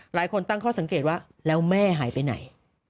หลายคนตั้งข้อสังเกตว่าแล้วแม่หายไปไหน